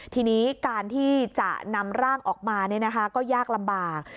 ทีนี้การที่จะนำร่างออกมาก็ยากลำบาก